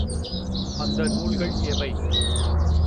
அந்த நூல்கள் எவை?